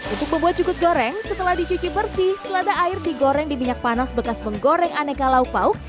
untuk membuat jukut goreng setelah dicuci bersih selada air digoreng di minyak panas bekas menggoreng aneka lauk pauk